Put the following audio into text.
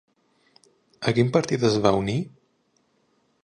A quin partit es va unir?